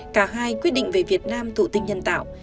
cả hai quyết định về việt nam thụ tinh nhân tạo